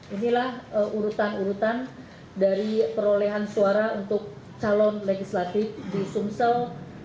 inilah urutan urutan dari perolehan suara untuk calon legislatif di sumsel